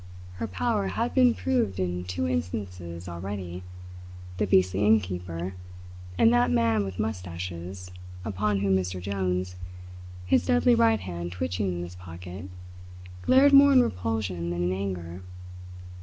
Her power had been proved in two instances already the beastly innkeeper, and that man with moustaches, upon whom Mr. Jones, his deadly right hand twitching in his pocket, glared more in repulsion than in anger.